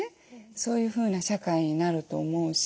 そういうふうな社会になると思うし。